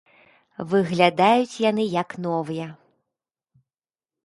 Выглядаюць яны як новыя.